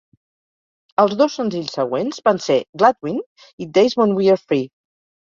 Els dos senzills següents van ser "Gladwin" i "Days When We Are Free".